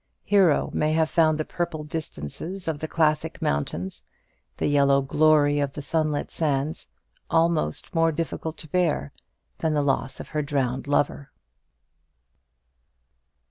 Hero may have found the purple distances of the classic mountains, the yellow glory of the sunlit sands, almost more difficult to bear than the loss of her drowned lover.